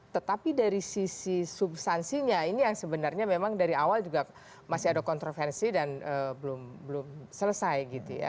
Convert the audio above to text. tetapi dari sisi substansinya ini yang sebenarnya memang dari awal juga masih ada kontroversi dan belum selesai gitu ya